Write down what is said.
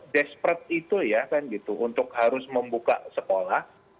desperate itu ya kan gitu untuk harus membuka sekolah